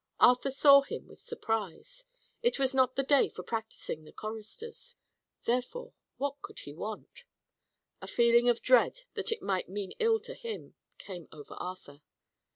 Arthur saw him with surprise. It was not the day for practising the choristers; therefore, what could he want? A feeling of dread that it might mean ill to him, came over Arthur.